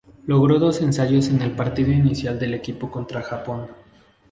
Logró dos ensayos en el partido inicial del equipo contra Japón.